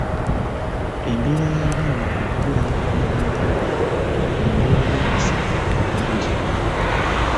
Embeera y’abaana okubeera ne baana bannaabwe mu mbeera y’okusoma nnungi nnyo.